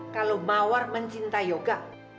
kalau mawar mencinta yoga